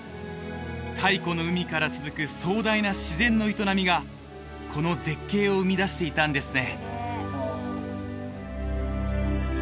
太古の海から続く壮大な自然の営みがこの絶景を生み出していたんですね